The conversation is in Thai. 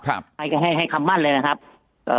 ครับให้ก็ให้ให้คำมั่นเลยนะครับเอ่อ